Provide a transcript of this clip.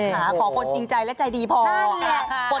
ส่งขาขอผลจริงใจและใจดีพอ